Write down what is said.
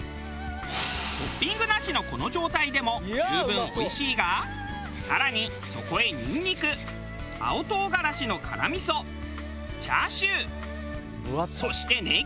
トッピングなしのこの状態でも十分おいしいが更にそこへニンニク青トウガラシの辛味噌チャーシューそしてネギ。